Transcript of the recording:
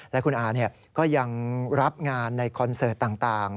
และคุณอาก็ยังรับงานในคอนเสิร์ตต่าง